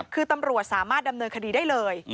คือตำรวจสามารถดำเนินคดีได้เลย